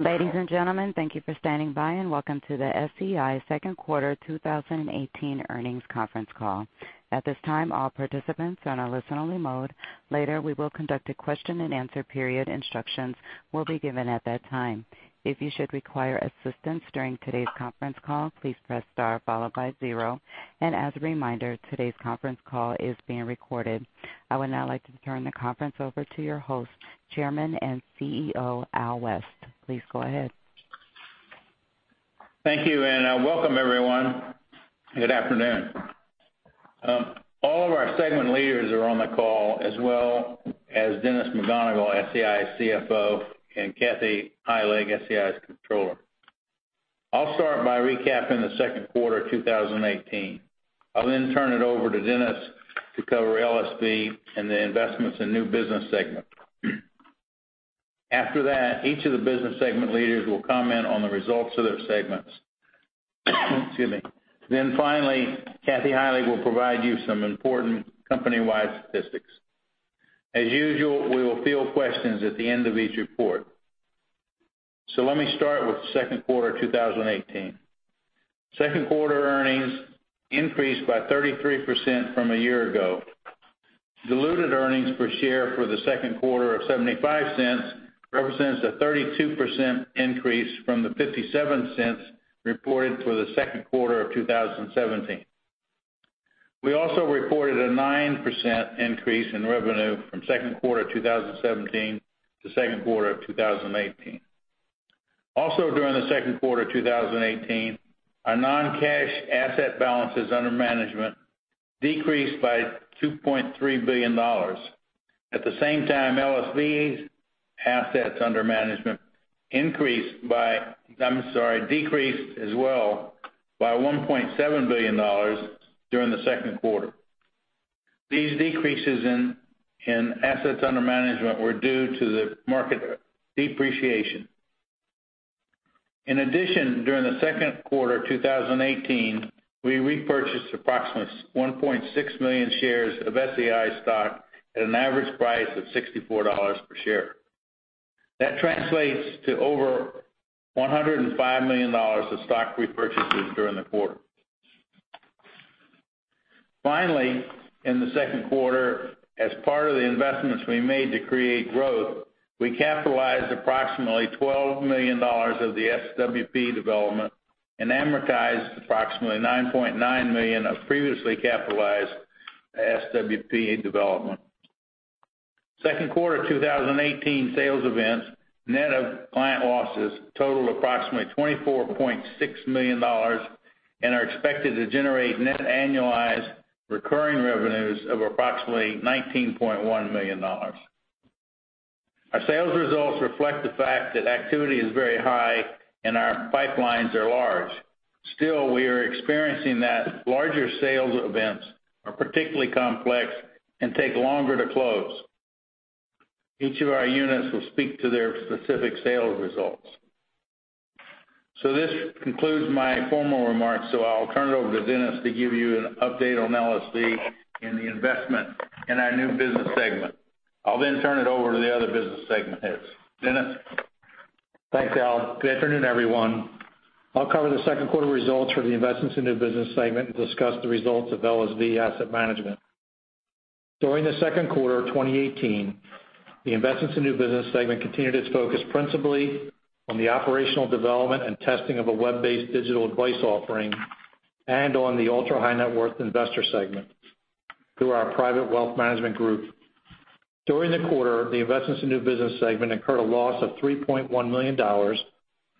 Ladies and gentlemen, thank you for standing by. Welcome to the SEI second quarter 2018 earnings conference call. At this time, all participants are on a listen-only mode. Later, we will conduct a question and answer period. Instructions will be given at that time. If you should require assistance during today's conference call, please press star followed by zero. As a reminder, today's conference call is being recorded. I would now like to turn the conference over to your host, Chairman and CEO, Al West. Please go ahead. Thank you. Welcome everyone. Good afternoon. All of our segment leaders are on the call, as well as Dennis McGonigle, SEI CFO, and Kathy Heilig, SEI's Controller. I'll start by recapping the second quarter 2018. I'll turn it over to Dennis to cover LSV and the investments in new business segment. After that, each of the business segment leaders will comment on the results of their segments. Excuse me. Finally, Kathy Heilig will provide you some important company-wide statistics. As usual, we will field questions at the end of each report. Let me start with the second quarter 2018. Second quarter earnings increased by 33% from a year ago. Diluted earnings per share for the second quarter of $0.75 represents a 32% increase from the $0.57 reported for the second quarter of 2017. We also reported a 9% increase in revenue from second quarter 2017 to second quarter of 2018. Also during the second quarter 2018, our non-cash asset balances under management decreased by $2.3 billion. At the same time, LSV's assets under management, I'm sorry, decreased as well by $1.7 billion during the second quarter. These decreases in assets under management were due to the market depreciation. In addition, during the second quarter 2018, we repurchased approximately 1.6 million shares of SEI stock at an average price of $64 per share. That translates to over $105 million of stock repurchases during the quarter. Finally, in the second quarter, as part of the investments we made to create growth, we capitalized approximately $12 million of the SWP development and amortized approximately $9.9 million of previously capitalized SWP development. Second quarter 2018 sales events, net of client losses, total approximately $24.6 million and are expected to generate net annualized recurring revenues of approximately $19.1 million. Our sales results reflect the fact that activity is very high and our pipelines are large. Still, we are experiencing that larger sales events are particularly complex and take longer to close. Each of our units will speak to their specific sales results. This concludes my formal remarks. I'll turn it over to Dennis to give you an update on LSV and the investment in our new business segment. I'll turn it over to the other business segment heads. Dennis? Thanks, Al. Good afternoon, everyone. I'll cover the second quarter results for the investments in new business segment and discuss the results of LSV Asset Management. During the second quarter of 2018, the investments in new business segment continued its focus principally on the operational development and testing of a web-based digital advice offering and on the ultra-high net worth investor segment through our private wealth management group. During the quarter, the investments in new business segment incurred a loss of $3.1 million,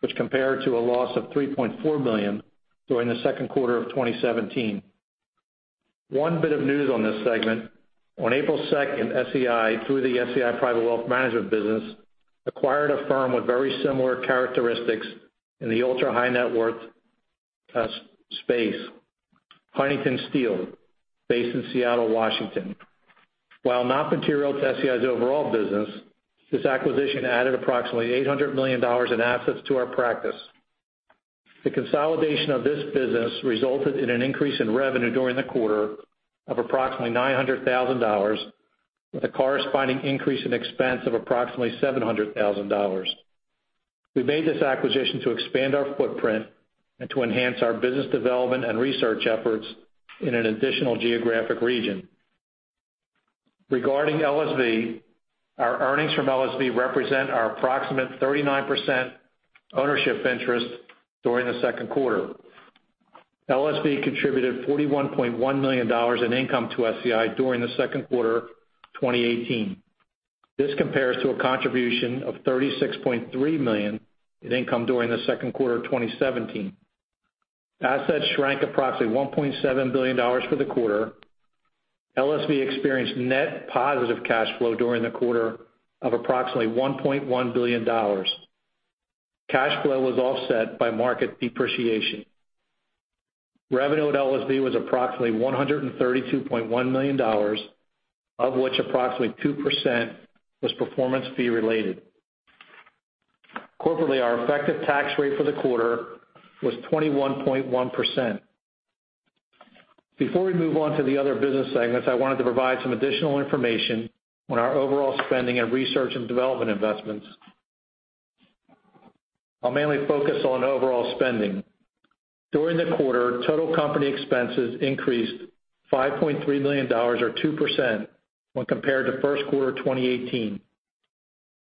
which compared to a loss of $3.4 million during the second quarter of 2017. One bit of news on this segment, on April 2nd, SEI, through the SEI Private Wealth Management business, acquired a firm with very similar characteristics in the ultra-high net worth space, Huntington Steele, based in Seattle, Washington. While not material to SEI's overall business, this acquisition added approximately $800 million in assets to our practice. The consolidation of this business resulted in an increase in revenue during the quarter of approximately $900,000 with a corresponding increase in expense of approximately $700,000. We made this acquisition to expand our footprint and to enhance our business development and research efforts in an additional geographic region. Regarding LSV, our earnings from LSV represent our approximate 39% ownership interest during the second quarter. LSV contributed $41.1 million in income to SEI during the second quarter 2018. This compares to a contribution of $36.3 million in income during the second quarter of 2017. Assets shrank approximately $1.7 billion for the quarter. LSV experienced net positive cash flow during the quarter of approximately $1.1 billion. Cash flow was offset by market depreciation. Revenue at LSV was approximately $132.1 million, of which approximately 2% was performance fee-related. Corporately, our effective tax rate for the quarter was 21.1%. Before we move on to the other business segments, I wanted to provide some additional information on our overall spending and research and development investments. I'll mainly focus on overall spending. During the quarter, total company expenses increased $5.3 million, or 2%, when compared to first quarter 2018.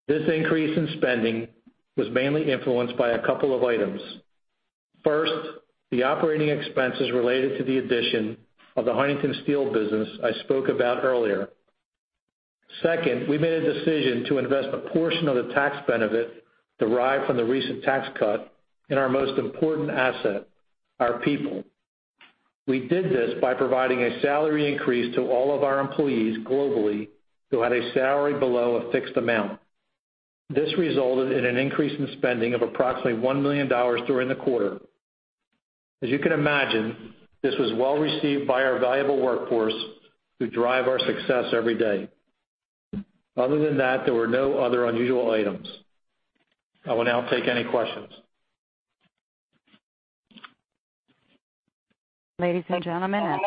This increase in spending was mainly influenced by a couple of items. First, the operating expenses related to the addition of the Huntington Steele business I spoke about earlier. Second, we made a decision to invest a portion of the tax benefit derived from the recent tax cut in our most important asset, our people. We did this by providing a salary increase to all of our employees globally who had a salary below a fixed amount. This resulted in an increase in spending of approximately $1 million during the quarter. As you can imagine, this was well received by our valuable workforce who drive our success every day. Other than that, there were no other unusual items. I will now take any questions. Ladies and gentlemen,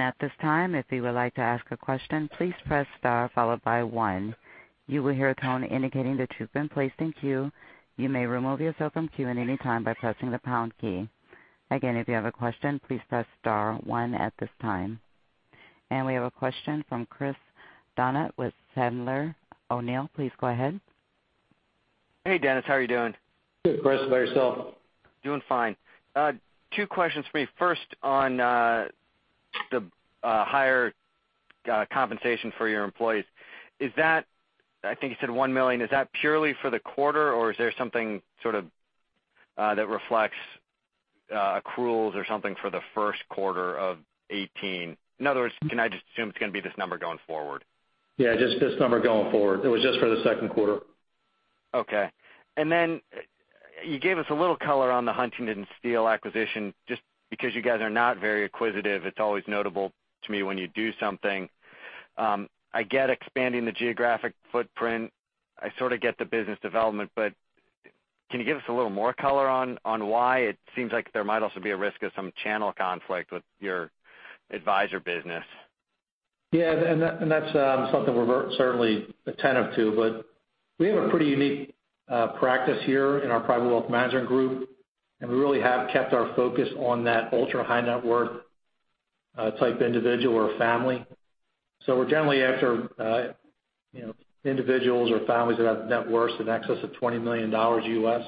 at this time, if you would like to ask a question, please press star followed by one. You will hear a tone indicating that you've been placed in queue. You may remove yourself from queue at any time by pressing the pound key. Again, if you have a question, please press star one at this time. We have a question from Chris Donat with Sandler O'Neill. Please go ahead. Hey, Dennis. How are you doing? Good, Chris. How about yourself? Doing fine. Two questions for me. First, on the higher compensation for your employees. I think you said $1 million. Is that purely for the quarter, or is there something that reflects accruals or something for the first quarter of 2018? In other words, can I just assume it's going to be this number going forward? Yeah, just this number going forward. It was just for the second quarter. Okay. You gave us a little color on the Huntington Steele acquisition. Just because you guys are not very acquisitive, it's always notable to me when you do something. I get expanding the geographic footprint. I sort of get the business development. Can you give us a little more color on why? It seems like there might also be a risk of some channel conflict with your advisor business. Yeah, that's something we're certainly attentive to. We have a pretty unique practice here in our SEI Private Wealth Management group, and we really have kept our focus on that ultra-high net worth type individual or family. We're generally after individuals or families that have net worths in excess of $20 million US.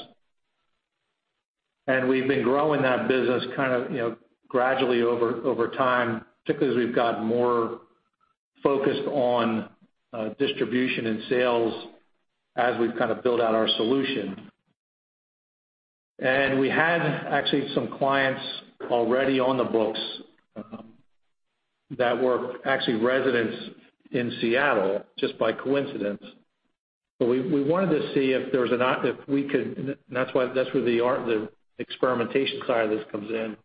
We've been growing that business gradually over time, particularly as we've gotten more focused on distribution and sales as we've built out our solution. We had actually some clients already on the books that were actually residents in Seattle, just by coincidence. We wanted to see if we could, and that's where the experimentation side of this comes in.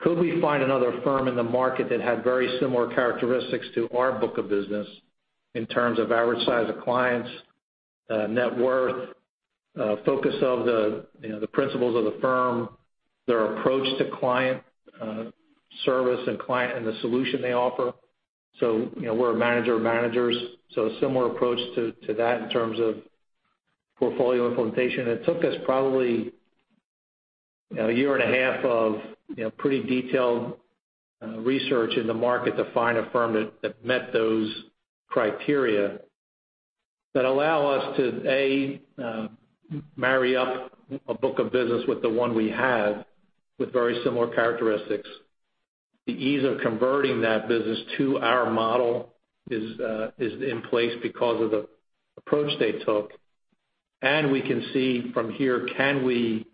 Could we find another firm in the market that had very similar characteristics to our book of business in terms of average size of clients, net worth, focus of the principals of the firm, their approach to client service, and the solution they offer. We're a manager of managers. A similar approach to that in terms of portfolio implementation. It took us probably a year and a half of pretty detailed research in the market to find a firm that met those criteria that allow us to, A, marry up a book of business with the one we have with very similar characteristics. The ease of converting that business to our model is in place because of the approach they took. We can see from here, can we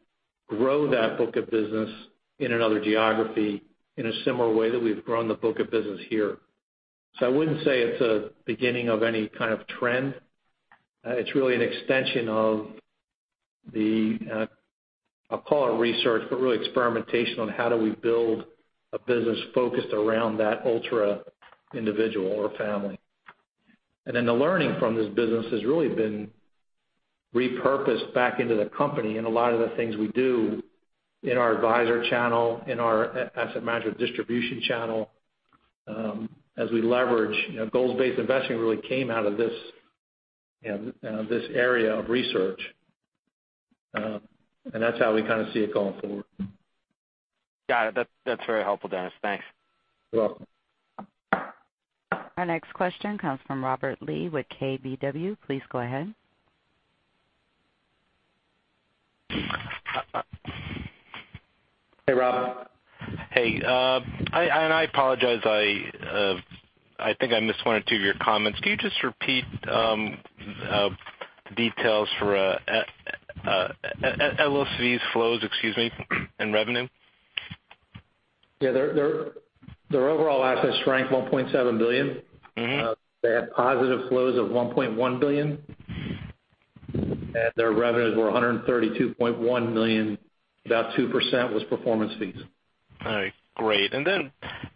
grow that book of business in another geography in a similar way that we've grown the book of business here? I wouldn't say it's a beginning of any kind of trend. It's really an extension of the, I'll call it research, but really experimentation on how do we build a business focused around that ultra individual or family. The learning from this business has really been repurposed back into the company and a lot of the things we do in our advisor channel, in our Asset Management Distribution channel, as we leverage goals-based investing really came out of this area of research. That's how we kind of see it going forward. Got it. That's very helpful, Dennis. Thanks. You're welcome. Our next question comes from Robert Lee with KBW. Please go ahead. Hey, Rob. Hey. I apologize, I think I missed one or two of your comments. Can you just repeat details for LSV's flows, excuse me, and revenue? Yeah. Their overall assets shrank $1.7 billion. They had positive flows of $1.1 billion, and their revenues were $132.1 million. About 2% was performance fees. All right, great.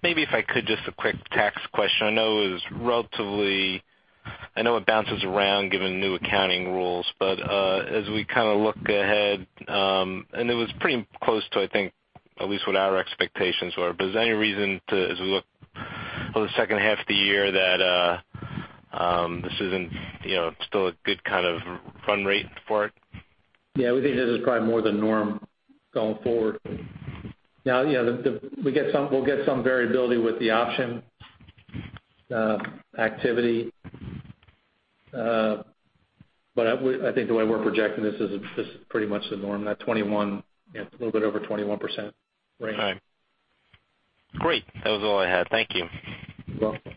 Maybe if I could, just a quick tax question. I know it bounces around given new accounting rules. As we look ahead, and it was pretty close to, I think, at least what our expectations were. Is there any reason to, as we look for the second half of the year, that this isn't still a good kind of run rate for it? Yeah, we think this is probably more the norm going forward. We'll get some variability with the option activity. I think the way we're projecting this is pretty much the norm, that a little bit over 21% range. All right. Great. That was all I had. Thank you. You're welcome.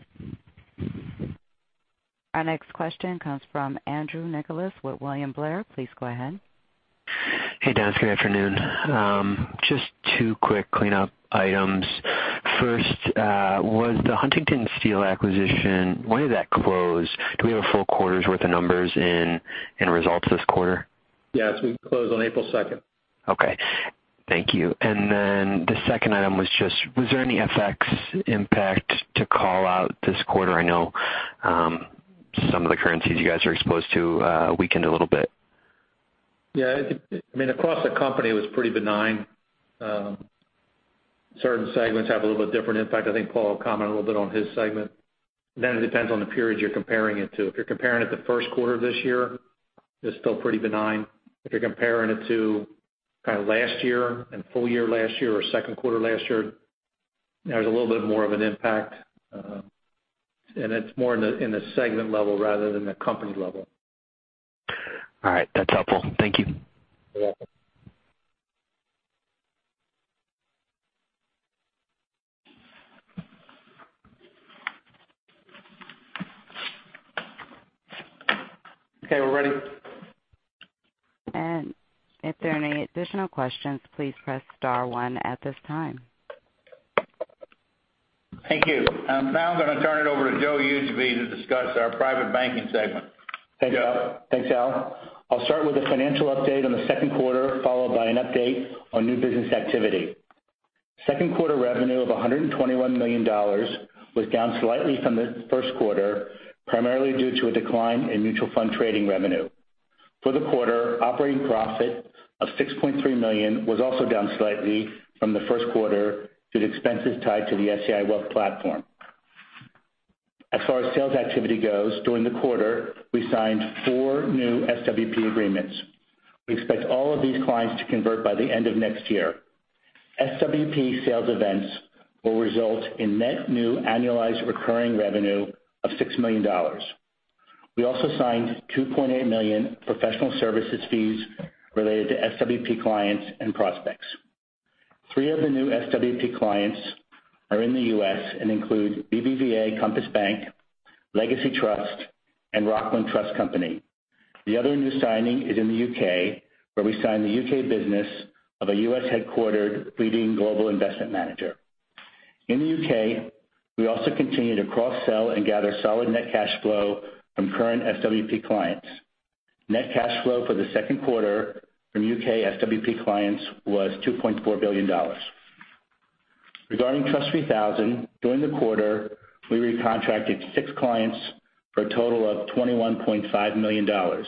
Our next question comes from Andrew Nicholas with William Blair. Please go ahead. Hey, Dennis. Good afternoon. Just two quick cleanup items. First, was the Huntington Steele acquisition, when did that close? Do we have a full quarter's worth of numbers and results this quarter? Yes, we closed on April 2nd. Okay. Thank you. The second item was just, was there any FX impact to call out this quarter? I know some of the currencies you guys are exposed to weakened a little bit. Yeah. Across the company, it was pretty benign. Certain segments have a little bit different impact. I think Paul will comment a little bit on his segment. It depends on the periods you're comparing it to. If you're comparing it to first quarter of this year, it's still pretty benign. If you're comparing it to last year and full year last year or second quarter last year, there's a little bit more of an impact. It's more in the segment level rather than the company level. All right. That's helpful. Thank you. You're welcome. Okay, we're ready. If there are any additional questions, please press star one at this time. Thank you. I am now going to turn it over to Joseph Ujobai to discuss our Private Banking segment. Joe. Thanks, Al. I will start with a financial update on the second quarter, followed by an update on new business activity. Second quarter revenue of $121 million was down slightly from the first quarter, primarily due to a decline in mutual fund trading revenue. For the quarter, operating profit of $6.3 million was also down slightly from the first quarter due to expenses tied to the SEI Wealth Platform. As far as sales activity goes, during the quarter, we signed four new SWP agreements. We expect all of these clients to convert by the end of next year. SWP sales events will result in net new annualized recurring revenue of $6 million. We also signed $2.8 million professional services fees related to SWP clients and prospects. Three of the new SWP clients are in the U.S. and include BBVA Compass Bank, Legacy Trust, and Rockland Trust Company. The other new signing is in the U.K., where we signed the U.K. business of a U.S.-headquartered leading global investment manager. In the U.K., we also continue to cross-sell and gather solid net cash flow from current SWP clients. Net cash flow for the second quarter from U.K. SWP clients was $2.4 billion. Regarding TRUST 3000, during the quarter, we recontracted six clients for a total of $21.5 million.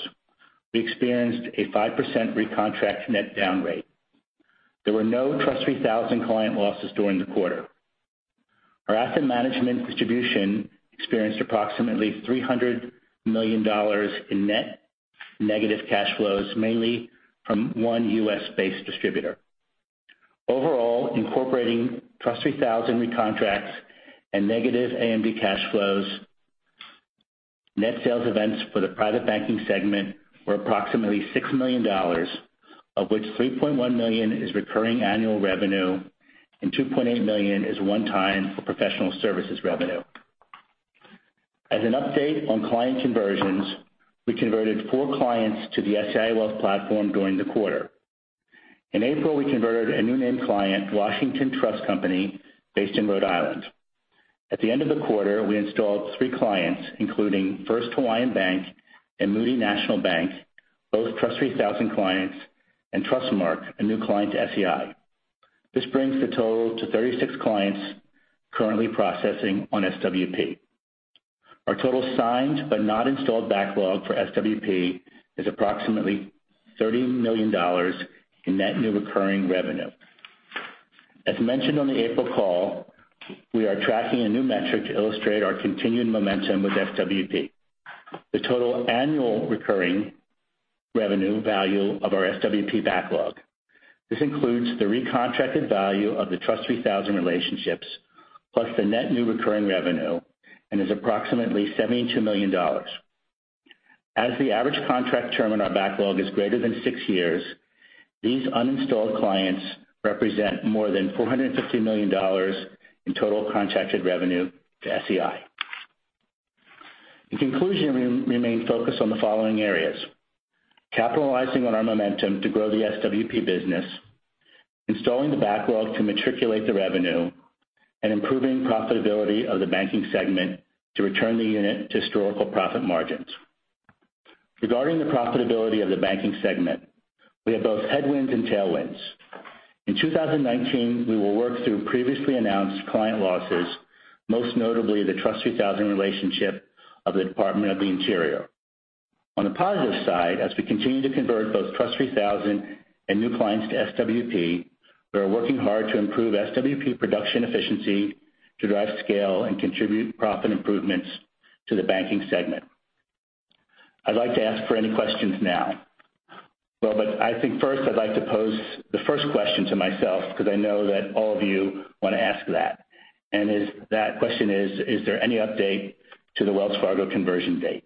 We experienced a 5% recontract net down rate. There were no TRUST 3000 client losses during the quarter. Our Asset Management Distribution experienced approximately $300 million in net negative cash flows, mainly from one U.S.-based distributor. Overall, incorporating TRUST 3000 recontracts and negative AMD cash flows, net sales events for the Private Banking segment were approximately $6 million, of which $3.1 million is recurring annual revenue and $2.8 million is one-time for professional services revenue. As an update on client conversions, we converted four clients to the SEI Wealth Platform during the quarter. In April, we converted a new name client, The Washington Trust Company, based in Rhode Island. At the end of the quarter, we installed three clients, including First Hawaiian Bank and Moody National Bank, both TRUST 3000 clients, and Trustmark, a new client to SEI. This brings the total to 36 clients currently processing on SWP. Our total signed but not installed backlog for SWP is approximately $30 million in net new recurring revenue. As mentioned on the April call, we are tracking a new metric to illustrate our continued momentum with SWP. The total annual recurring revenue value of our SWP backlog. This includes the recontracted value of the TRUST 3000 relationships, plus the net new recurring revenue, and is approximately $72 million. I think first I'd like to pose the first question to myself because I know that all of you want to ask that. That question is: Is there any update to the Wells Fargo conversion date?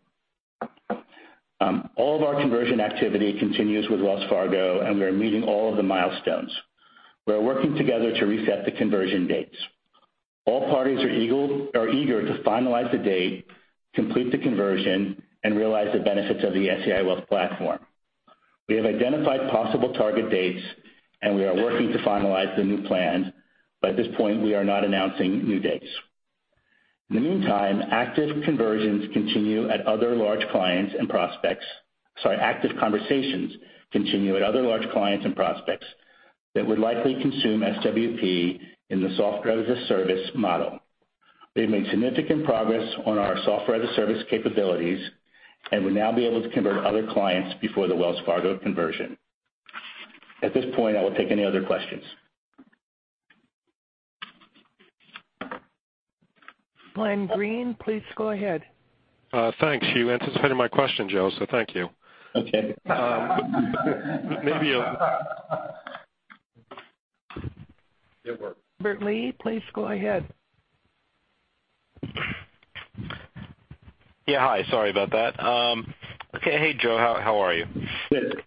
All of our conversion activity continues with Wells Fargo, and we are meeting all of the milestones. We are working together to reset the conversion dates. All parties are eager to finalize the date, complete the conversion, and realize the benefits of the SEI Wealth Platform. We have identified possible target dates, and we are working to finalize the new plans, but at this point, we are not announcing new dates. In the meantime, active conversions continue at other large clients and prospects. Active conversations continue at other large clients and prospects that would likely consume SWP in the Software as a Service model. We have made significant progress on our Software as a Service capabilities and will now be able to convert other clients before the Wells Fargo conversion. At this point, I will take any other questions. We have made significant progress on our software as a service capabilities and will now be able to convert other clients before the Wells Fargo conversion. At this point, I will take any other questions. Glenn Greene, please go ahead. Thanks. You anticipated my question, Joe, so thank you. Okay. Robert Lee, please go ahead. Hi, sorry about that. Okay. Hey, Joe, how are you? Good.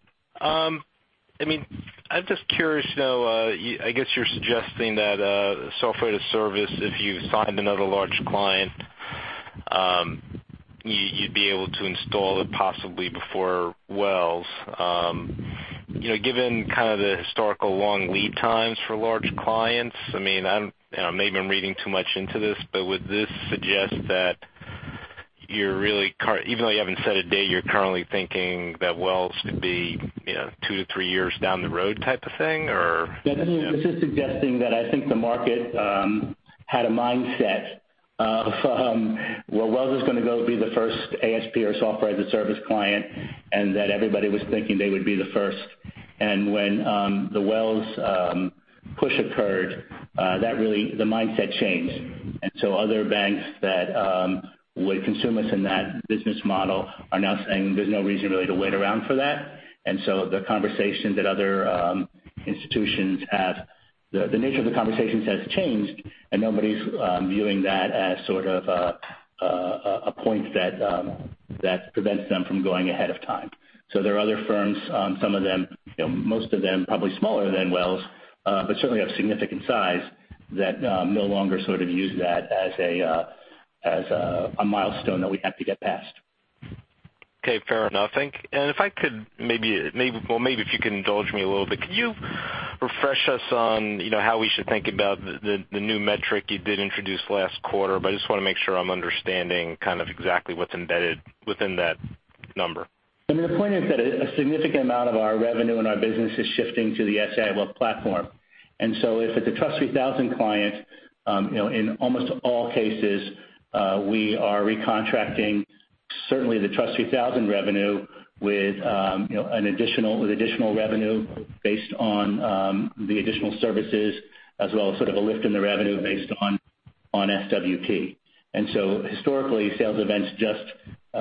I'm just curious to know, I guess you're suggesting that Software as a Service, if you signed another large client, you'd be able to install it possibly before Wells. Given the historical long lead times for large clients, maybe I'm reading too much into this, but would this suggest that even though you haven't set a date, you're currently thinking that Wells could be 2-3 years down the road type of thing? This is suggesting that I think the market had a mindset of, well, Wells is going to go be the first ASP or Software as a Service client, and that everybody was thinking they would be the first. When the Wells push occurred, the mindset changed. Other banks that would consume us in that business model are now saying there's no reason really to wait around for that. The conversation that other institutions have, the nature of the conversations has changed and nobody's viewing that as sort of a point that prevents them from going ahead of time. There are other firms, most of them probably smaller than Wells, but certainly of significant size, that no longer use that as a milestone that we have to get past. Okay, fair enough. If I could, maybe if you could indulge me a little bit, can you refresh us on how we should think about the new metric you did introduce last quarter? I just want to make sure I'm understanding kind of exactly what's embedded within that number. The point is that a significant amount of our revenue and our business is shifting to the SEI Wealth Platform. If it's a TRUST 3000 client, in almost all cases, we are recontracting certainly the TRUST 3000 revenue with additional revenue based on the additional services as well as sort of a lift in the revenue based on SWP. Historically,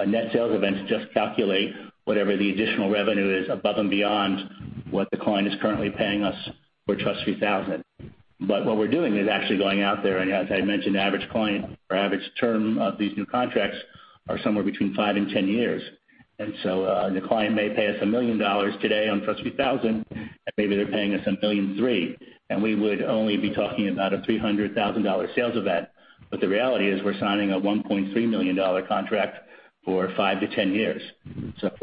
net sales events just calculate whatever the additional revenue is above and beyond what the client is currently paying us for TRUST 3000. What we're doing is actually going out there, and as I mentioned, average client or average term of these new contracts are somewhere between five and 10 years. The client may pay us $1 million today on TRUST 3000, and maybe they're paying us $1.3 million. We would only be talking about a $300,000 sales event. The reality is we're signing a $1.3 million contract for 5 to 10 years. We're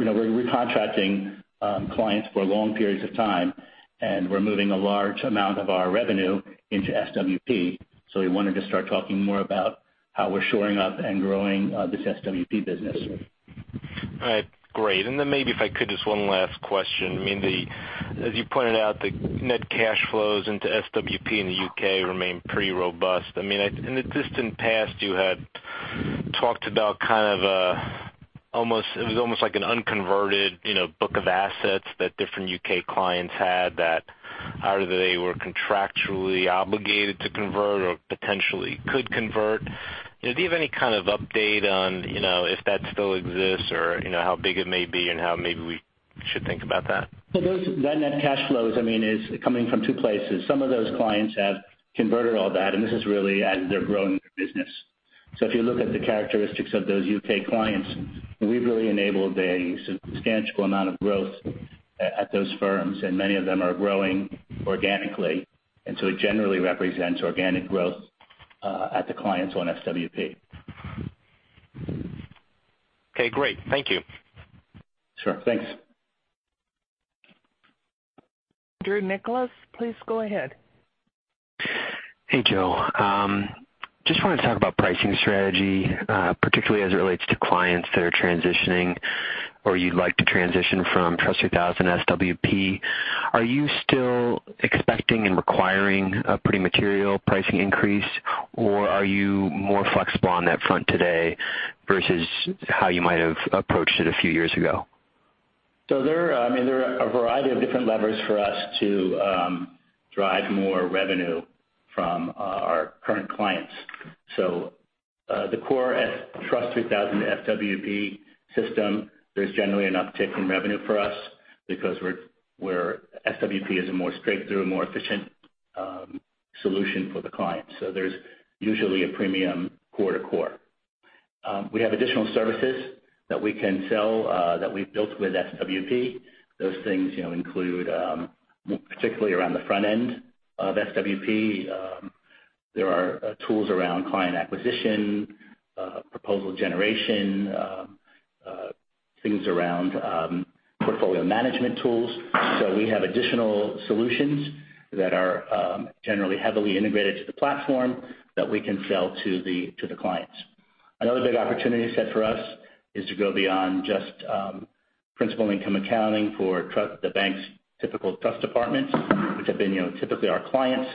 recontracting clients for long periods of time, and we're moving a large amount of our revenue into SWP. We wanted to start talking more about how we're shoring up and growing this SWP business. All right, great. Maybe if I could, just one last question. As you pointed out, the net cash flows into SWP in the U.K. remain pretty robust. In the distant past, you had talked about kind of a, it was almost like an unconverted book of assets that different U.K. clients had that either they were contractually obligated to convert or potentially could convert. Do you have any kind of update on if that still exists or how big it may be and how maybe we should think about that? That net cash flows is coming from two places. Some of those clients have converted all that, and this is really as they're growing their business. If you look at the characteristics of those U.K. clients, we've really enabled a substantial amount of growth at those firms, and many of them are growing organically. It generally represents organic growth at the clients on SWP. Okay, great. Thank you. Sure. Thanks. Drew Nicholas, please go ahead. Hey, Joe. Just wanted to talk about pricing strategy, particularly as it relates to clients that are transitioning, or you'd like to transition from TRUST 3000 to SWP. Are you still expecting and requiring a pretty material pricing increase, or are you more flexible on that front today versus how you might have approached it a few years ago? There are a variety of different levers for us to drive more revenue from our current clients. The core TRUST 3000 SWP system, there's generally an uptick in revenue for us because SWP is a more straightforward, more efficient solution for the client. There's usually a premium core to core. We have additional services that we can sell that we've built with SWP. Those things include particularly around the front end of SWP. There are tools around client acquisition, proposal generation, things around portfolio management tools. We have additional solutions that are generally heavily integrated to the platform that we can sell to the clients. Another big opportunity set for us is to go beyond just principal income accounting for the bank's typical trust departments, which have been typically our clients.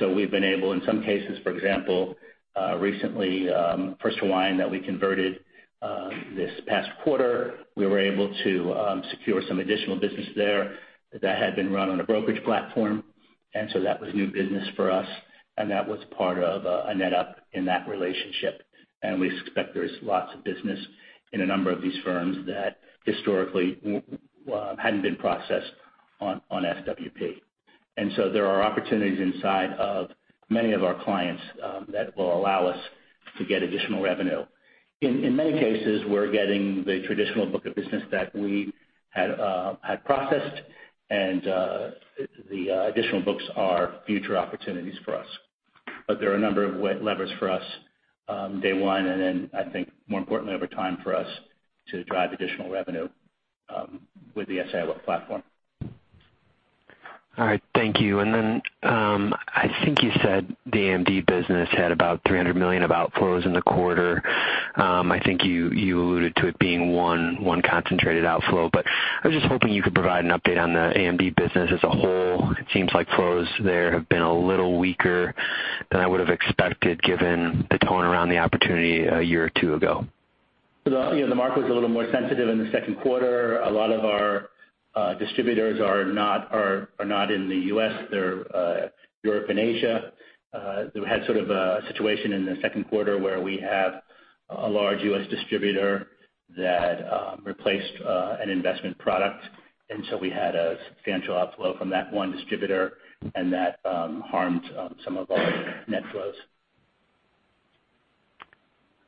We've been able, in some cases, for example, recently, First Hawaiian that we converted this past quarter, we were able to secure some additional business there that had been run on a brokerage platform. That was new business for us, and that was part of a net up in that relationship. We expect there's lots of business in a number of these firms that historically hadn't been processed on SWP. There are opportunities inside of many of our clients that will allow us to get additional revenue. In many cases, we're getting the traditional book of business that we had processed and the additional books are future opportunities for us. There are a number of levers for us day one, and then I think more importantly over time for us to drive additional revenue with the SEI platform. All right. Thank you. I think you said the AMD business had about $300 million of outflows in the quarter. I think you alluded to it being one concentrated outflow, but I was just hoping you could provide an update on the AMD business as a whole. It seems like flows there have been a little weaker than I would have expected given the tone around the opportunity a year or two ago. The market was a little more sensitive in the second quarter. A lot of our distributors are not in the U.S. They're Europe and Asia. We had sort of a situation in the second quarter where we have a large U.S. distributor that replaced an investment product. We had a substantial outflow from that one distributor, and that harmed some of our net flows.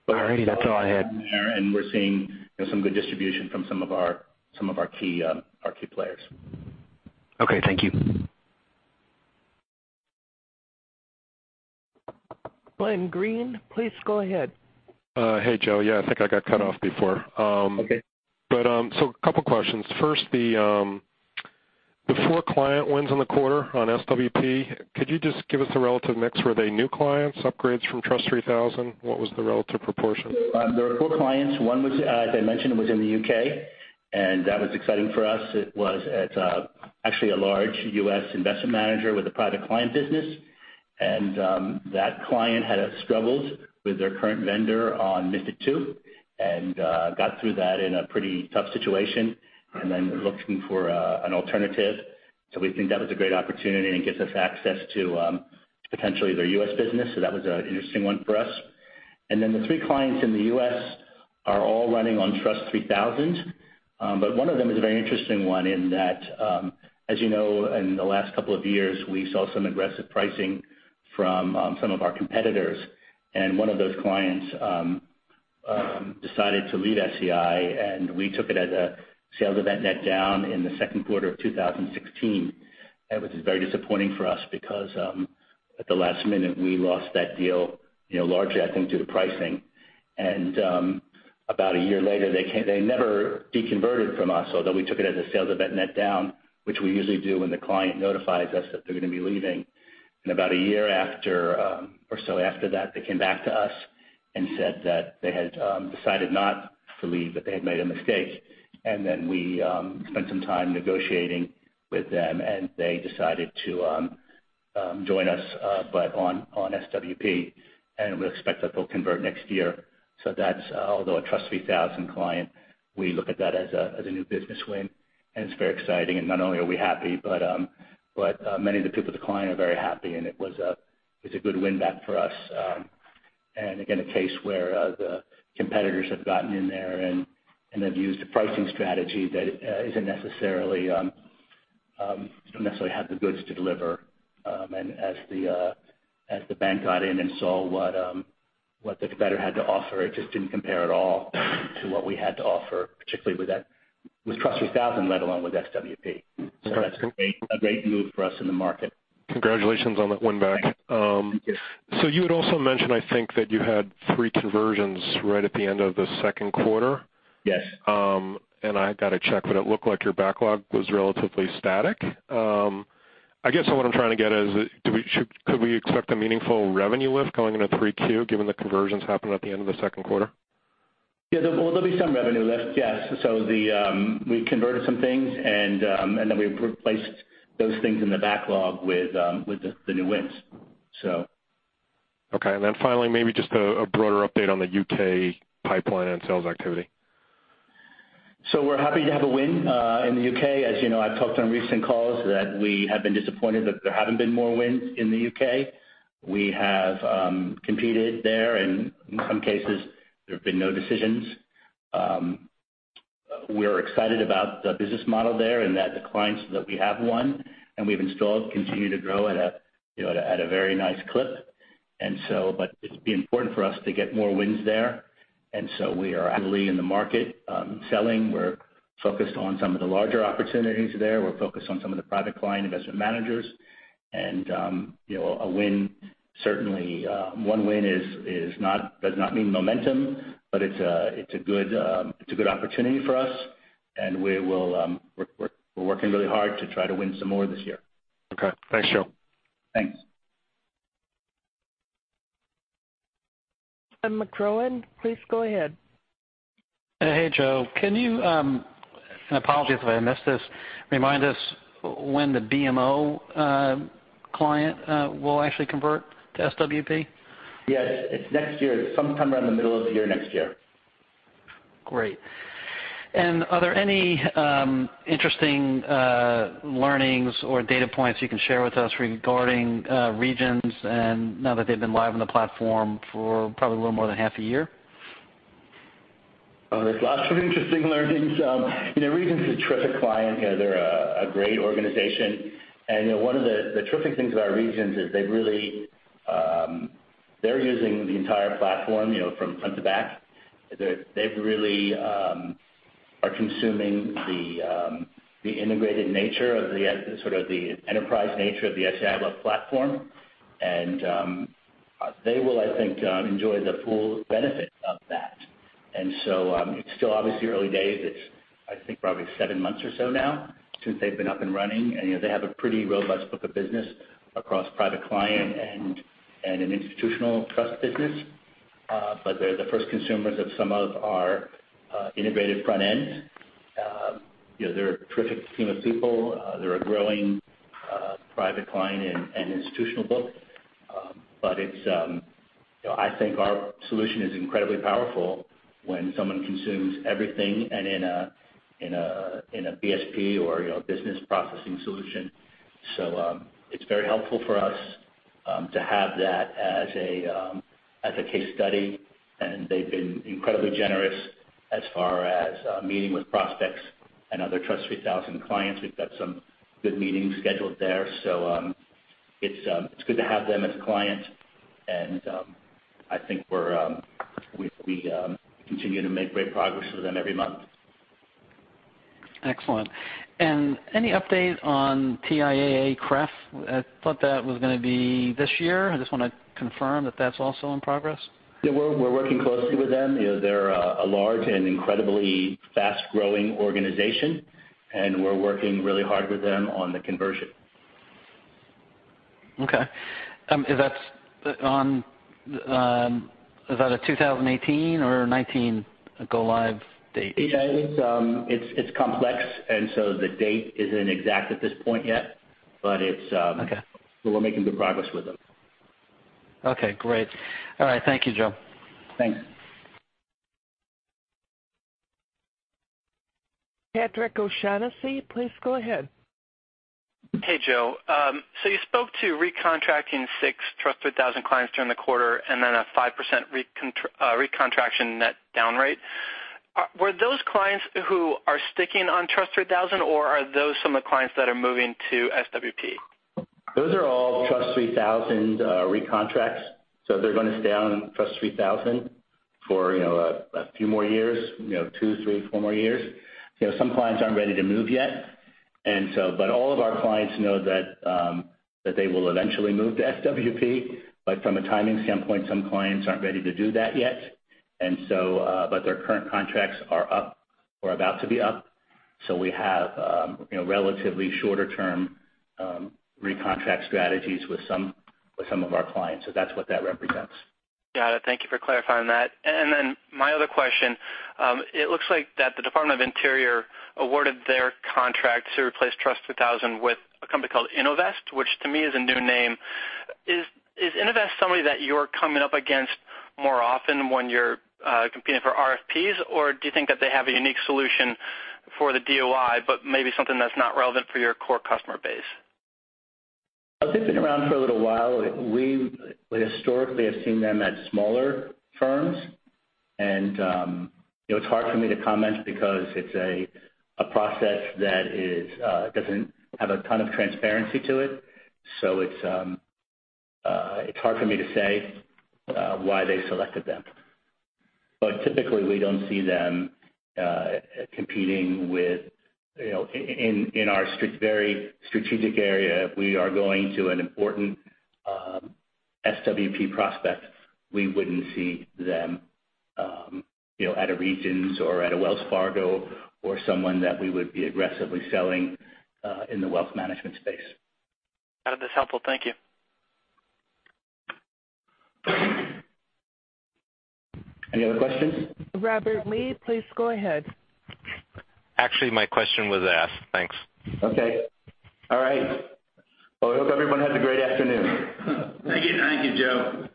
All righty. That's all I had. We're seeing some good distribution from some of our key players. Okay. Thank you. Glenn Greene, please go ahead. Hey, Joe. Yeah, I think I got cut off before. Okay. A couple questions. First, the four client wins in the quarter on SWP. Could you just give us a relative mix? Were they new clients, upgrades from TRUST 3000? What was the relative proportion? There were four clients. One was, as I mentioned, was in the U.K., and that was exciting for us. It was actually a large U.S. investment manager with a private client business. That client had struggled with their current vendor on Mystic II and got through that in a pretty tough situation and then looking for an alternative. We think that was a great opportunity, and it gives us access to potentially their U.S. business. That was an interesting one for us. Then the three clients in the U.S. are all running on TRUST 3000. One of them is a very interesting one in that, as you know, in the last couple of years, we saw some aggressive pricing from some of our competitors. One of those clients decided to leave SEI, and we took it as a sales event net down in the second quarter of 2016. That was very disappointing for us because, at the last minute, we lost that deal, largely, I think, due to pricing. About a year later, they never deconverted from us, although we took it as a sales event net down, which we usually do when the client notifies us that they're going to be leaving. About a year or so after that, they came back to us and said that they had decided not to leave, that they had made a mistake. Then we spent some time negotiating with them, and they decided to join us, but on SWP, and we expect that they'll convert next year. That's, although a TRUST 3000 client, we look at that as a new business win, and it's very exciting. Not only are we happy, but many of the people at the client are very happy, and it was a good win-back for us. Again, a case where the competitors have gotten in there and have used a pricing strategy that doesn't necessarily have the goods to deliver. As the bank got in and saw what the competitor had to offer, it just didn't compare at all to what we had to offer, particularly with TRUST 3000, let alone with SWP. That's a great move for us in the market. Congratulations on that win-back. Thank you. You had also mentioned, I think, that you had three conversions right at the end of the second quarter. Yes. I got to check, but it looked like your backlog was relatively static. I guess so what I'm trying to get is, could we expect a meaningful revenue lift going into 3Q given the conversions happening at the end of the second quarter? Yeah. There'll be some revenue lift. Yes. We converted some things, then we replaced those things in the backlog with the new wins. Okay. Finally, maybe just a broader update on the U.K. pipeline and sales activity. We're happy to have a win in the U.K. As you know, I've talked on recent calls that we have been disappointed that there haven't been more wins in the U.K. We have competed there, and in some cases, there have been no decisions. We're excited about the business model there and that the clients that we have won and we've installed continue to grow at a very nice clip. It's important for us to get more wins there. We are actively in the market selling. We're focused on some of the larger opportunities there. We're focused on some of the private client investment managers. Certainly one win does not mean momentum, but it's a good opportunity for us, and we're working really hard to try to win some more this year. Okay. Thanks, Joe. Thanks. McGratty, please go ahead. Hey, Joe. Apologies if I missed this. Can you remind us when the BMO client will actually convert to SWP? Yes. It's next year, sometime around the middle of the year, next year. Great. Are there any interesting learnings or data points you can share with us regarding Regions now that they've been live on the platform for probably a little more than half a year? There's lots of interesting learnings. Regions is a terrific client. They're a great organization. One of the terrific things about Regions is they're using the entire platform from front to back. They really are consuming the integrated nature of the sort of the enterprise nature of the SEI platform. They will, I think, enjoy the full benefit of that. So it's still obviously early days. It's, I think, probably seven months or so now since they've been up and running. They have a pretty robust book of business across private client an institutional trust business. They're the first consumers of some of our integrated front end. They're a terrific team of people. They're a growing private client an institutional book. I think our solution is incredibly powerful when someone consumes everything in a BSP or business processing solution. It's very helpful for us to have that as a case study. They've been incredibly generous as far as meeting with prospects and other TRUST 3000 clients. We've got some good meetings scheduled there. It's good to have them as a client, and I think we continue to make great progress with them every month. Excellent. Any update on TIAA-CREF? I thought that was going to be this year. I just want to confirm that that's also in progress. Yeah. We're working closely with them. They're a large and incredibly fast-growing organization, and we're working really hard with them on the conversion. Okay. Is that a 2018 or 2019 go live date? Yeah. It's complex, the date isn't exact at this point yet, but- Okay we're making good progress with them. Okay, great. All right. Thank you, Joe. Thanks. Patrick O'Shaughnessy, please go ahead. Hey, Joe. You spoke to recontracting six TRUST 3000 clients during the quarter and then a 5% recontraction net down rate. Were those clients who are sticking on TRUST 3000, or are those some of the clients that are moving to SWP? Those are all TRUST 3000 recontracts. They're going to stay on TRUST 3000 for a few more years, two, three, four more years. Some clients aren't ready to move yet. All of our clients know that they will eventually move to SWP. From a timing standpoint, some clients aren't ready to do that yet. Their current contracts are up or about to be up. We have relatively shorter term recontract strategies with some of our clients. That's what that represents. Got it. Thank you for clarifying that. My other question, it looks like that the Department of the Interior awarded their contract to replace TRUST 3000 with a company called Innovest, which to me is a new name. Is Innovest somebody that you're coming up against more often when you're competing for RFPs, or do you think that they have a unique solution for the DOI, but maybe something that's not relevant for your core customer base? They've been around for a little while. We historically have seen them at smaller firms. It's hard for me to comment because it's a process that doesn't have a ton of transparency to it. It's hard for me to say why they selected them. Typically, we don't see them competing with. SWP prospect, we wouldn't see them at a Regions or at a Wells Fargo or someone that we would be aggressively selling in the wealth management space. That was helpful. Thank you. Any other questions? Robert Lee, please go ahead. Actually, my question was asked. Thanks. Okay. All right. Well, I hope everyone has a great afternoon. Thank you, Joe.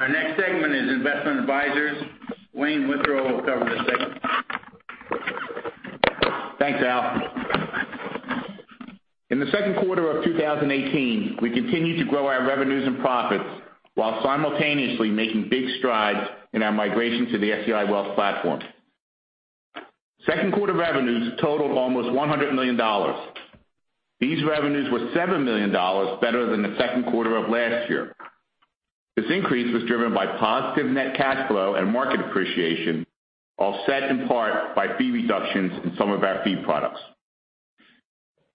Our next segment is investment advisors. Wayne Withrow will cover this segment. Thanks, Al. In the second quarter of 2018, we continued to grow our revenues and profits while simultaneously making big strides in our migration to the SEI Wealth Platform. Second quarter revenues totaled almost $100 million. These revenues were $7 million better than the second quarter of last year. This increase was driven by positive net cash flow and market appreciation, offset in part by fee reductions in some of our fee products.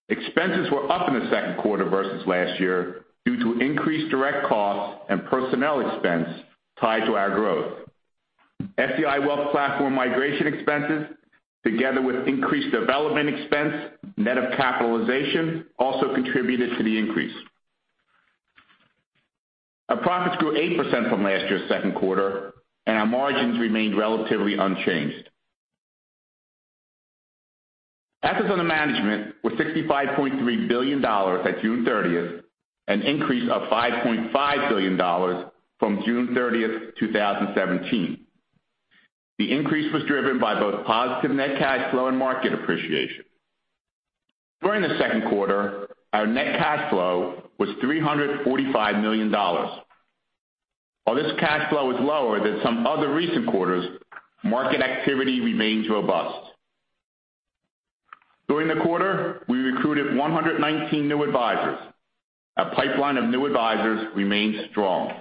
Expenses were up in the second quarter versus last year due to increased direct costs and personnel expense tied to our growth. SEI Wealth Platform migration expenses, together with increased development expense, net of capitalization, also contributed to the increase. Our profits grew 8% from last year's second quarter, and our margins remained relatively unchanged. Assets under management were $65.3 billion at June 30th, an increase of $5.5 billion from June 30th, 2017. The increase was driven by both positive net cash flow and market appreciation. During the second quarter, our net cash flow was $345 million. While this cash flow is lower than some other recent quarters, market activity remains robust. During the quarter, we recruited 119 new advisors. Our pipeline of new advisors remains strong.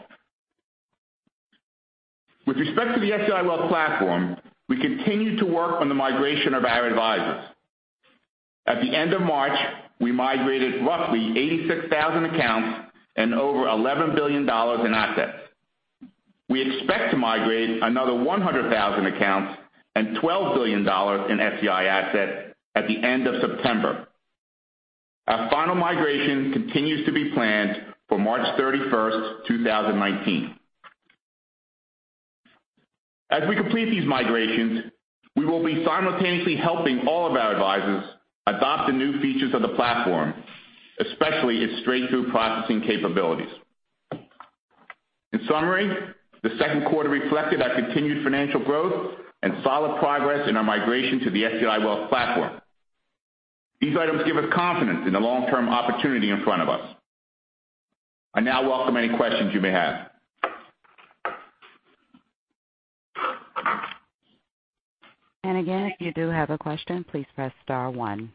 With respect to the SEI Wealth Platform, we continue to work on the migration of our advisors. At the end of March, we migrated roughly 86,000 accounts and over $11 billion in assets. We expect to migrate another 100,000 accounts and $12 billion in SEI assets at the end of September. Our final migration continues to be planned for March 31st, 2019. As we complete these migrations, we will be simultaneously helping all of our advisors adopt the new features of the platform, especially its straight-through processing capabilities. In summary, the second quarter reflected our continued financial growth and solid progress in our migration to the SEI Wealth Platform. These items give us confidence in the long-term opportunity in front of us. I now welcome any questions you may have. Again, if you do have a question, please press star one.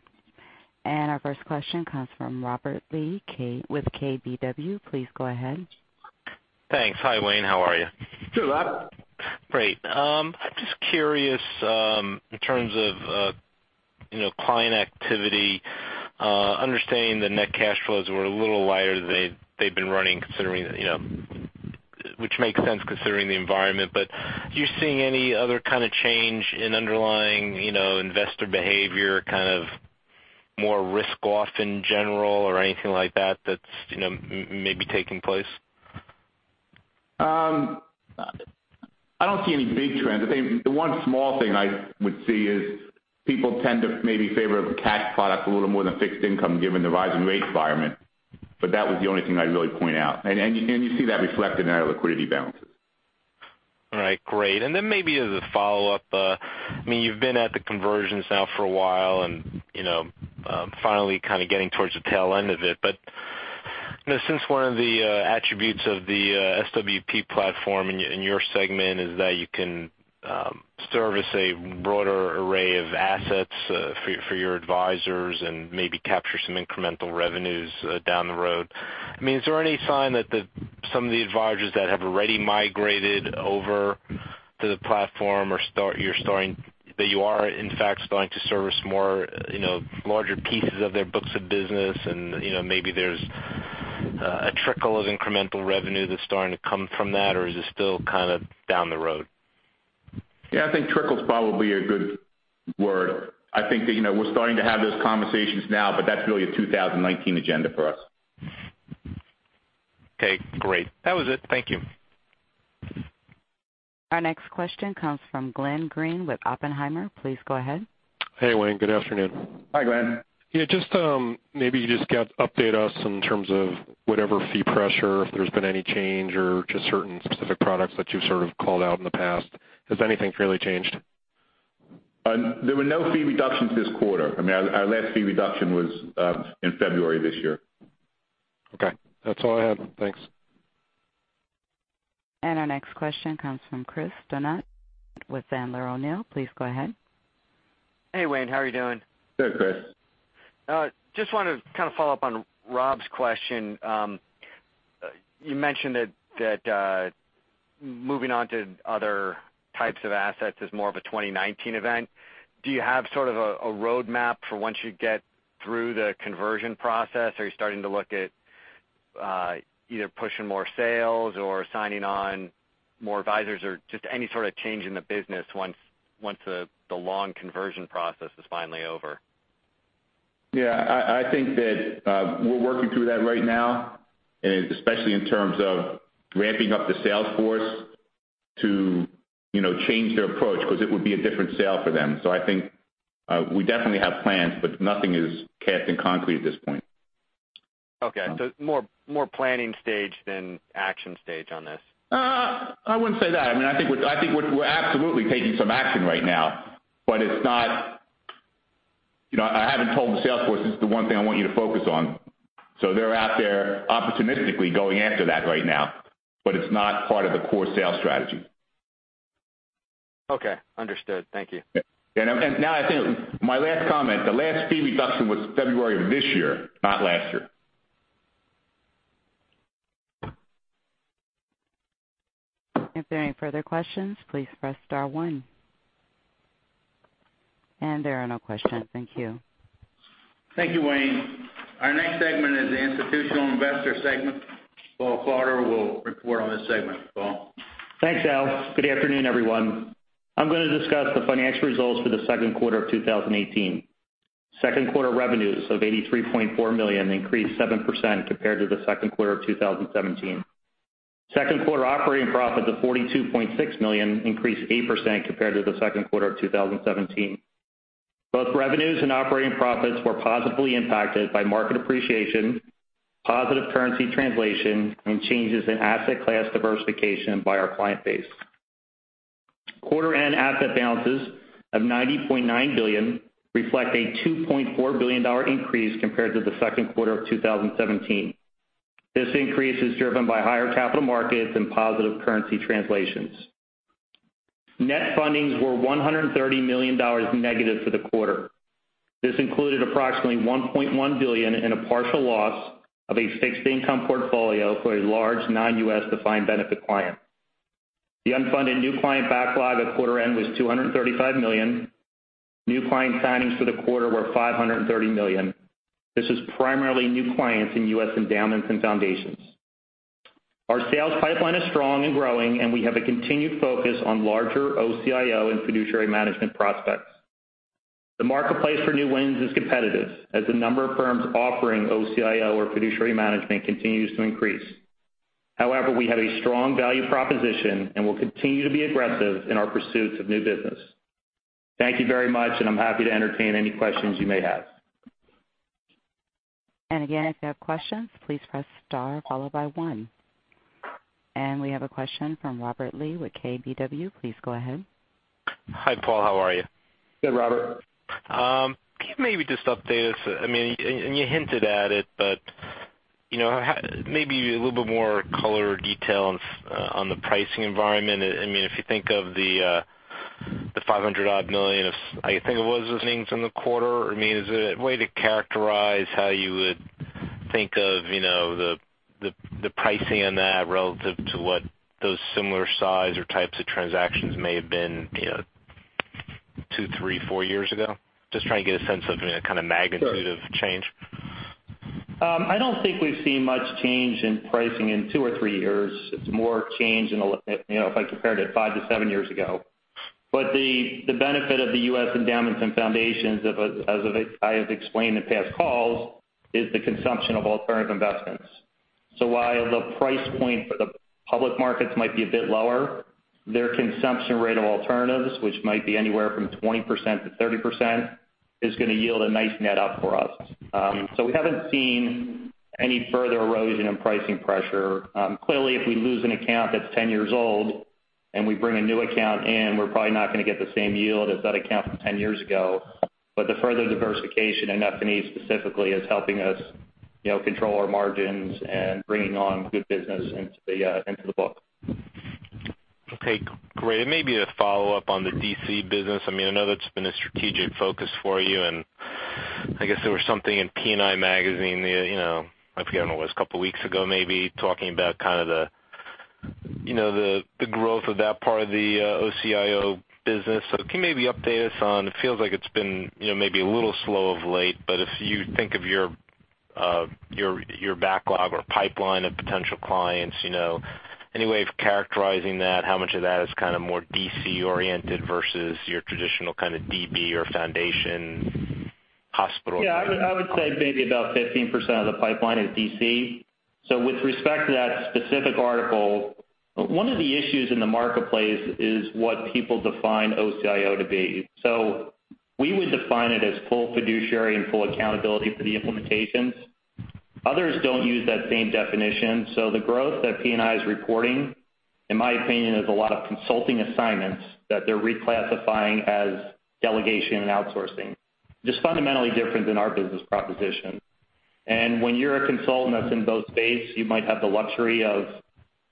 Our first question comes from Robert Lee with KBW. Please go ahead. Thanks. Hi, Wayne. How are you? Good, Rob. Great. I'm just curious in terms of client activity, understanding the net cash flows were a little lighter than they've been running, which makes sense considering the environment, but are you seeing any other kind of change in underlying investor behavior, kind of more risk off in general or anything like that's maybe taking place? I don't see any big trends. I think the one small thing I would see is people tend to maybe favor cash products a little more than fixed income given the rising rate environment. That was the only thing I'd really point out. You see that reflected in our liquidity balances. All right, great. Then maybe as a follow-up, you've been at the conversions now for a while and finally kind of getting towards the tail end of it. Since one of the attributes of the SWP platform in your segment is that you can service a broader array of assets for your advisors and maybe capture some incremental revenues down the road. Is there any sign that some of the advisors that have already migrated over to the platform that you are in fact starting to service more larger pieces of their books of business and maybe there's a trickle of incremental revenue that's starting to come from that or is it still kind of down the road? Yeah, I think trickle's probably a good word. I think that we're starting to have those conversations now, but that's really a 2019 agenda for us. Okay, great. That was it. Thank you. Our next question comes from Glenn Greene with Oppenheimer. Please go ahead. Hey, Wayne. Good afternoon. Hi, Glenn Greene. Yeah, just maybe you update us in terms of whatever fee pressure, if there's been any change or just certain specific products that you've sort of called out in the past. Has anything really changed? There were no fee reductions this quarter. Our last fee reduction was in February of this year. Okay. That's all I had. Thanks. Our next question comes from Chris Donat with Sandler O'Neill. Please go ahead. Hey, Wayne. How are you doing? Good, Chris. Just wanted to kind of follow up on Rob's question. You mentioned that moving on to other types of assets as more of a 2019 event, do you have sort of a roadmap for once you get through the conversion process? Are you starting to look at either pushing more sales or signing on more advisors or just any sort of change in the business once the long conversion process is finally over? Yeah. I think that we're working through that right now, especially in terms of ramping up the sales force to change their approach because it would be a different sale for them. I think we definitely have plans, but nothing is cast in concrete at this point. Okay. More planning stage than action stage on this. I wouldn't say that. I think we're absolutely taking some action right now, but I haven't told the sales force this is the one thing I want you to focus on. They're out there opportunistically going after that right now, but it's not part of the core sales strategy. Okay. Understood. Thank you. I think my last comment, the last fee reduction was February of this year, not last year. If there are any further questions, please press star one. There are no questions. Thank you. Thank you, Wayne. Our next segment is the institutional investor segment. Paul Klauder will report on this segment. Paul? Thanks, Al. Good afternoon, everyone. I'm going to discuss the financial results for the second quarter of 2018. Second quarter revenues of $83.4 million increased 7% compared to the second quarter of 2017. Second quarter operating profit of $42.6 million increased 8% compared to the second quarter of 2017. Both revenues and operating profits were positively impacted by market appreciation, positive currency translation, and changes in asset class diversification by our client base. Quarter end asset balances of $90.9 billion reflect a $2.4 billion increase compared to the second quarter of 2017. This increase is driven by higher capital markets and positive currency translations. Net fundings were $130 million negative for the quarter. This included approximately $1.1 billion in a partial loss of a fixed income portfolio for a large non-U.S. defined benefit client. The unfunded new client backlog at quarter end was $235 million. New client signings for the quarter were $530 million. This was primarily new clients in U.S. endowments and foundations. Our sales pipeline is strong and growing, and we have a continued focus on larger OCIO and fiduciary management prospects. The marketplace for new wins is competitive as the number of firms offering OCIO or fiduciary management continues to increase. However, we have a strong value proposition and will continue to be aggressive in our pursuits of new business. Thank you very much, and I'm happy to entertain any questions you may have. Again, if you have questions, please press star followed by one. We have a question from Robert Lee with KBW. Please go ahead. Hi, Paul. How are you? Good, Robert. Can you maybe just update us, you hinted at it, but maybe a little bit more color or detail on the pricing environment? If you think of the $500 odd million of, I think it was, earnings in the quarter, is there a way to characterize how you would think of the pricing on that relative to what those similar size or types of transactions may have been two, three, four years ago? Just trying to get a sense of, kind of magnitude of change. I don't think we've seen much change in pricing in two or three years. It's more change if I compared it five to seven years ago. The benefit of the U.S. endowments and foundations, as I have explained in past calls, is the consumption of alternative investments. While the price point for the public markets might be a bit lower, their consumption rate of alternatives, which might be anywhere from 20%-30%, is going to yield a nice net up for us. We haven't seen any further erosion in pricing pressure. Clearly, if we lose an account that's 10 years old and we bring a new account in, we're probably not going to get the same yield as that account from 10 years ago. The further diversification in F&E specifically is helping us control our margins and bringing on good business into the book. Okay, great. Maybe to follow up on the DC business. I know that's been a strategic focus for you, and I guess there was something in P&I Magazine, I forget when it was, a couple of weeks ago maybe talking about kind of the growth of that part of the OCIO business. Can you maybe update us on, it feels like it's been maybe a little slow of late, but if you think of your backlog or pipeline of potential clients, any way of characterizing that? How much of that is kind of more DC oriented versus your traditional kind of DB or foundation hospital? Yeah, I would say maybe about 15% of the pipeline is DC. With respect to that specific article, one of the issues in the marketplace is what people define OCIO to be. We would define it as full fiduciary and full accountability for the implementations. Others don't use that same definition. The growth that P&I is reporting, in my opinion, is a lot of consulting assignments that they're reclassifying as delegation and outsourcing. Just fundamentally different than our business proposition. When you're a consultant that's in both space, you might have the luxury of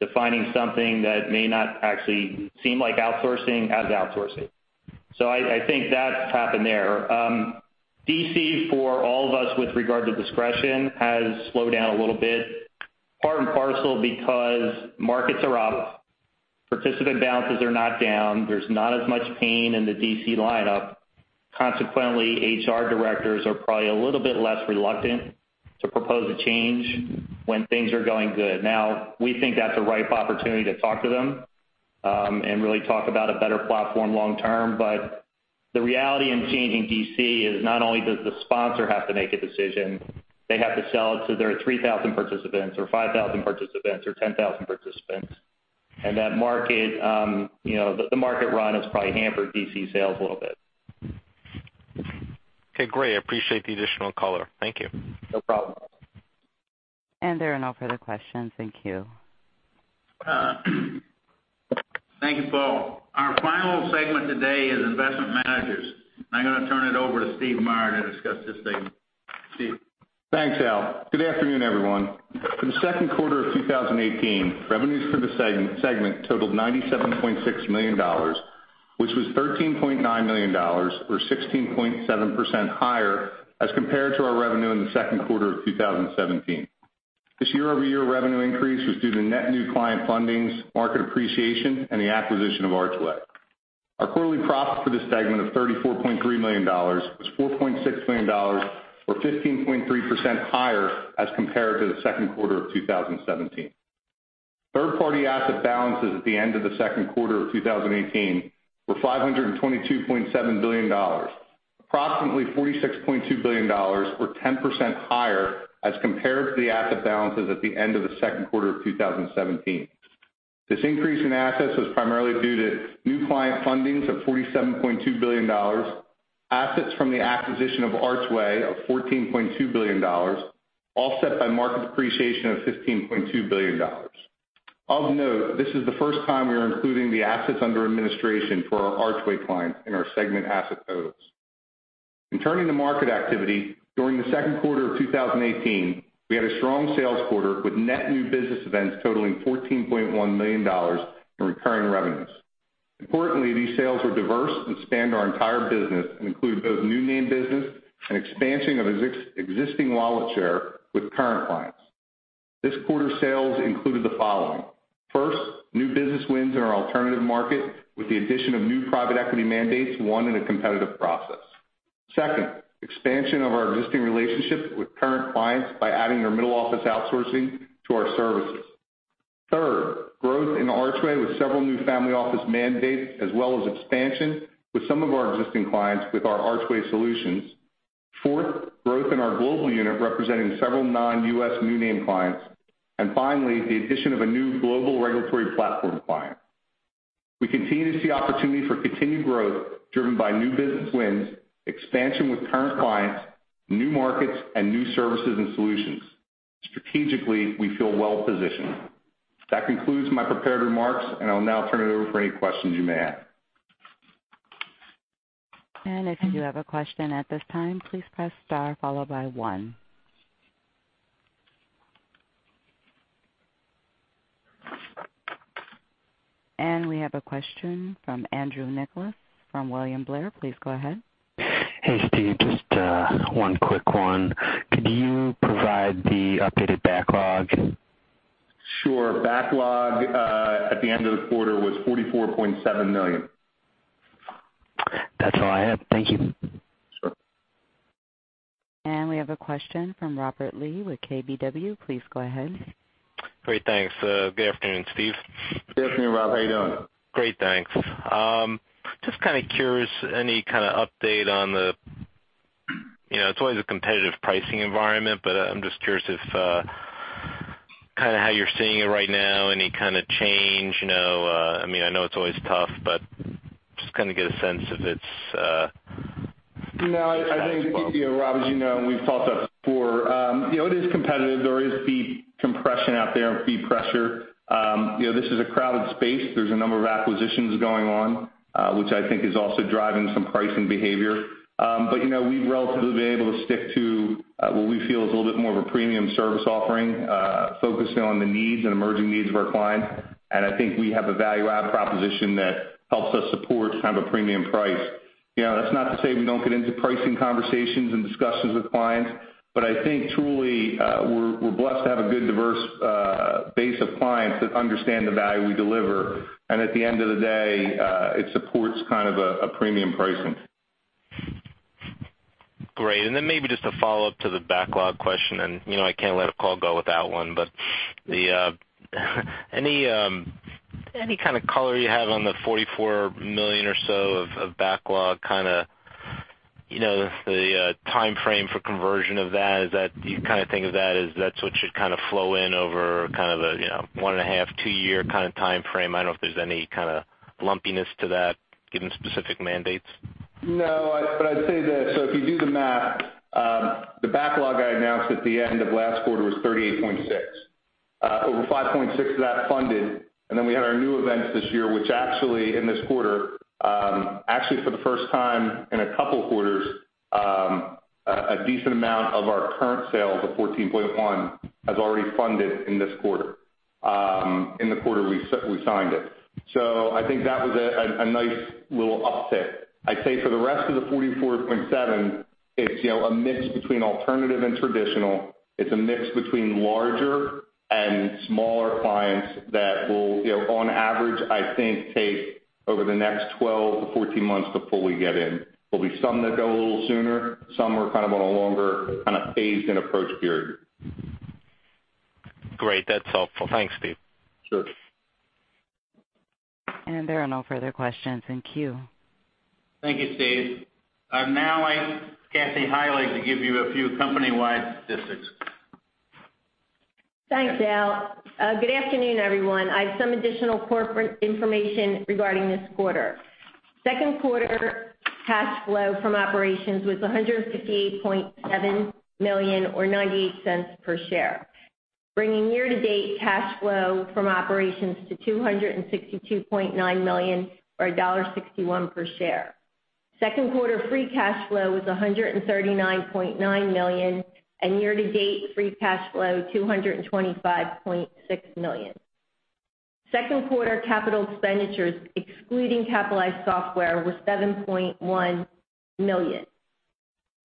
defining something that may not actually seem like outsourcing as outsourcing. I think that's happened there. DC for all of us with regard to discretion has slowed down a little bit, part and parcel because markets are up, participant balances are not down. There's not as much pain in the DC lineup. Consequently, HR directors are probably a little bit less reluctant to propose a change when things are going good. Now, we think that's a ripe opportunity to talk to them, and really talk about a better platform long term. The reality in changing DC is not only does the sponsor have to make a decision, they have to sell it to their 3,000 participants or 5,000 participants or 10,000 participants. The market run has probably hampered DC sales a little bit. Okay, great. I appreciate the additional color. Thank you. No problem. There are no further questions. Thank you. Thank you, Paul. Our final segment today is investment managers. I'm going to turn it over to Stephen Meyer to discuss this segment. Steve. Thanks, Al. Good afternoon, everyone. For the second quarter of 2018, revenues for the segment totaled $97.6 million, which was $13.9 million or 16.7% higher as compared to our revenue in the second quarter of 2017. This year-over-year revenue increase was due to net new client fundings, market appreciation, and the acquisition of Archway. Our quarterly profit for this segment of $34.3 million was $4.6 million or 15.3% higher as compared to the second quarter of 2017. Third-party asset balances at the end of the second quarter of 2018 were $522.7 billion, approximately $46.2 billion or 10% higher as compared to the asset balances at the end of the second quarter of 2017. This increase in assets was primarily due to new client fundings of $47.2 billion, assets from the acquisition of Archway of $14.2 billion, offset by market depreciation of $15.2 billion. Of note, this is the first time we are including the assets under administration for our Archway clients in our segment asset totals. In turning to market activity, during the second quarter of 2018, we had a strong sales quarter with net new business events totaling $14.1 million in recurring revenues. Importantly, these sales were diverse and spanned our entire business and include both new name business and expansion of existing wallet share with current clients. This quarter's sales included the following. First, new business wins in our alternative market with the addition of new private equity mandates won in a competitive process. Second, expansion of our existing relationships with current clients by adding their middle office outsourcing to our services. Third, growth in Archway with several new family office mandates as well as expansion with some of our existing clients with our Archway solutions. Fourth, growth in our global unit representing several non-U.S. new name clients. Finally, the addition of a new global regulatory platform client. We continue to see opportunity for continued growth driven by new business wins, expansion with current clients, new markets, and new services and solutions. Strategically, we feel well-positioned. That concludes my prepared remarks, I'll now turn it over for any questions you may have. If you do have a question at this time, please press star followed by one. We have a question from Andrew Nicholas from William Blair. Please go ahead. Hey, Steve. Just one quick one. Could you provide the updated backlog? Sure. Backlog at the end of the quarter was $44.7 million. That's all I have. Thank you. Sure. We have a question from Robert Lee with KBW. Please go ahead. Great, thanks. Good afternoon, Steve. Good afternoon, Rob. How are you doing? Great, thanks. Just curious, any update on the It's always a competitive pricing environment, but I'm just curious if how you're seeing it right now, any change? I know it's always tough, but just to get a sense if it's status quo. No, I think, Rob, as you know, we've talked about before, it is competitive. There is fee compression out there and fee pressure. This is a crowded space. There's a number of acquisitions going on, which I think is also driving some pricing behavior. We've relatively been able to stick to what we feel is a little bit more of a premium service offering, focusing on the needs and emerging needs of our clients. I think we have a value-add proposition that helps us support a premium price. That's not to say we don't get into pricing conversations and discussions with clients, but I think truly, we're blessed to have a good, diverse base of clients that understand the value we deliver. At the end of the day, it supports a premium pricing. Great. Maybe just a follow-up to the backlog question, I can't let a call go without one, but any kind of color you have on the $44 million or so of backlog, the timeframe for conversion of that. Do you think of that as that's what should flow in over a one and a half, two-year timeframe? I don't know if there's any lumpiness to that given specific mandates. No, I'd say this, if you do the math, the backlog I announced at the end of last quarter was $38.6. Over $5.6 of that funded, we had our new events this year, which actually in this quarter, actually for the first time in a couple quarters, a decent amount of our current sales of $14.1 has already funded in this quarter, in the quarter we signed it. I think that was a nice little uptick. I'd say for the rest of the $44.7, it's a mix between alternative and traditional. It's a mix between larger and smaller clients that will, on average, I think, take over the next 12-14 months before we get in. There'll be some that go a little sooner, some are on a longer, phased-in approach period. Great. That's helpful. Thanks, Steve. Sure. There are no further questions in queue. Thank you, Steve. I'd like Kathy Heilig to give you a few company-wide statistics. Thanks, Al. Good afternoon, everyone. I have some additional corporate information regarding this quarter. Second quarter cash flow from operations was $158.7 million or $0.98 per share, bringing year-to-date cash flow from operations to $262.9 million or $1.61 per share. Second quarter free cash flow was $139.9 million, and year-to-date free cash flow, $225.6 million. Second quarter capital expenditures, excluding capitalized software, were $7.1 million.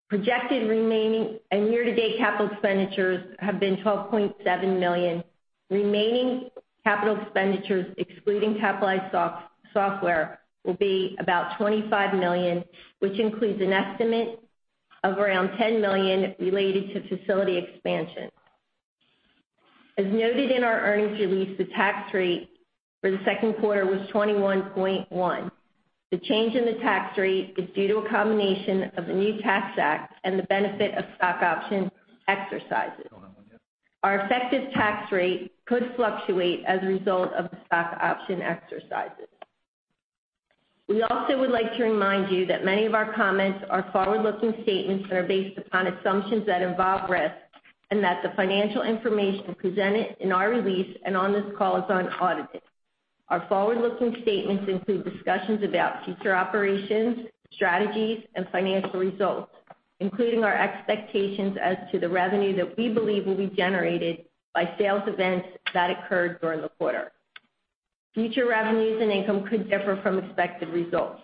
Projected remaining and year-to-date capital expenditures have been $12.7 million. Remaining capital expenditures, excluding capitalized software, will be about $25 million, which includes an estimate of around $10 million related to facility expansion. As noted in our earnings release, the tax rate for the second quarter was 21.1%. The change in the tax rate is due to a combination of the new tax act and the benefit of stock option exercises. Our effective tax rate could fluctuate as a result of the stock option exercises. We also would like to remind you that many of our comments are forward-looking statements that are based upon assumptions that involve risks, and that the financial information presented in our release and on this call is unaudited. Our forward-looking statements include discussions about future operations, strategies, and financial results, including our expectations as to the revenue that we believe will be generated by sales events that occurred during the quarter. Future revenues and income could differ from expected results.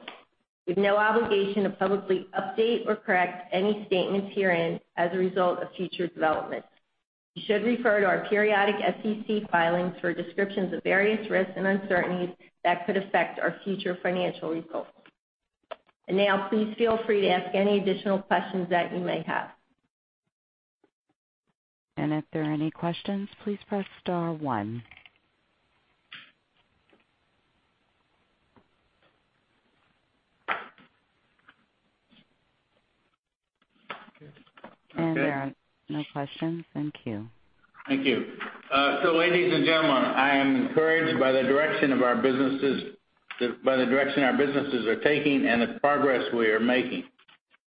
We have no obligation to publicly update or correct any statements herein as a result of future developments. You should refer to our periodic SEC filings for descriptions of various risks and uncertainties that could affect our future financial results. Now, please feel free to ask any additional questions that you may have. If there are any questions, please press star 1. There are no questions. Thank you. Thank you. Ladies and gentlemen, I am encouraged by the direction our businesses are taking and the progress we are making.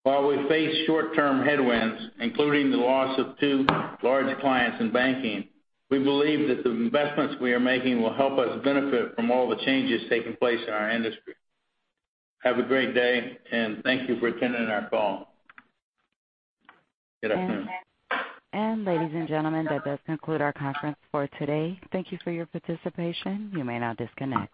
While we face short-term headwinds, including the loss of two large clients in banking, we believe that the investments we are making will help us benefit from all the changes taking place in our industry. Have a great day, and thank you for attending our call. Good afternoon. Ladies and gentlemen, that does conclude our conference for today. Thank you for your participation. You may now disconnect.